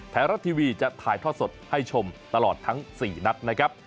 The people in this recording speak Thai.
ไทยรัฐทีวีจะถ่ายทอดสดให้ชมตลอดทั้ง๔นัดนะครับ